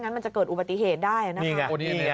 นะโอ้นี้เนี้ยเนี้ยโอ้เนี้ย